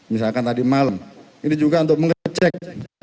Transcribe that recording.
misalkan tadi malam ini juga untuk mengecek